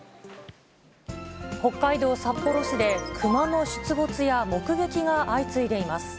北海道札幌市で、熊の出没や目撃が相次いでいます。